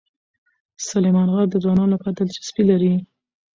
سلیمان غر د ځوانانو لپاره دلچسپي لري.